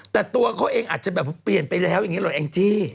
แต่ตัวเขาเองอาจจะแบบเปลี่ยนไปแล้วอย่างนี้หรอแองจี้